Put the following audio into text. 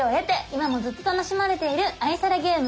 今もずっと楽しまれている愛されゲーム囲碁！